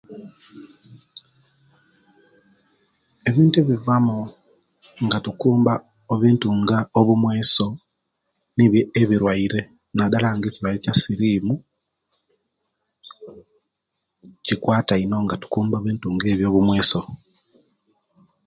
Ebintu ebivamu nga tukumba ebintu nga obumweso nibiyo ebiruaire nadala nga ekiruaire ekiya sirimu cikwata ino nga tukumba ebintu nga ebiyobumweso